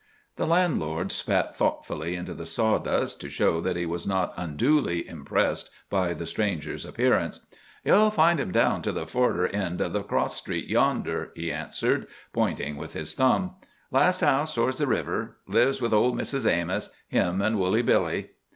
The landlord spat thoughtfully into the sawdust, to show that he was not unduly impressed by the stranger's appearance. "You'll find him down to the furder end of the cross street yonder," he answered, pointing with his thumb. "Last house towards the river. Lives with old Mrs. Amos—him an' Woolly Billy."